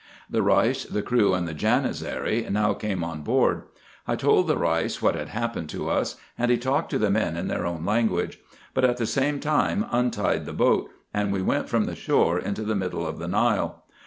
The Reis, the crew, and the Janizary, now came on board. I told the Reis what had happened to us, and he talked to the men in their own language ; but, at the same time, untied the boat, and we went from the shore into the middle of the Nile.